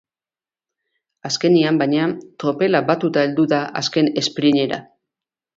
Azkenean, baina, tropela batuta heldu da azken esprinera.